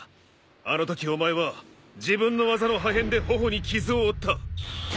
あのときお前は自分の技の破片で頬に傷を負った。